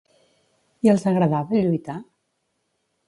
I els agradava lluitar?